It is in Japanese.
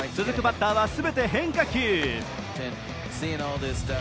続くバッターは全て変化球。